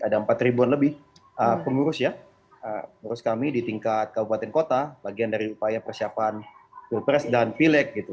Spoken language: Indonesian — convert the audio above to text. ada empat ribuan lebih pengurus ya pengurus kami di tingkat kabupaten kota bagian dari upaya persiapan pilpres dan pilek gitu